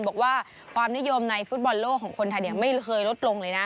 บอกว่าความนิยมในฟุตบอลโลกของคนไทยไม่เคยลดลงเลยนะ